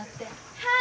はい。